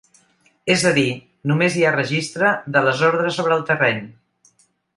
És a dir, només hi ha registre de les ordres sobre el terreny.